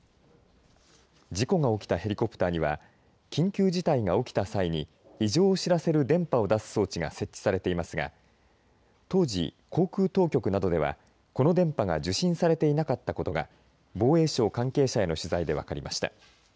事故が起きたヘリコプターには緊急事態が起きた際に異常を知らせる電波を出す装置が設置されていますが当時、航空当局などではこの電波が受信されていなかったことが防衛省関係者への取材で分かりました。